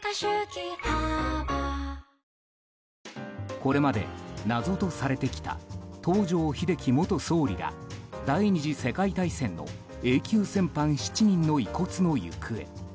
これまで謎とされてきた東條英機元総理が第２次世界大戦のＡ級戦犯７人の遺骨の行方。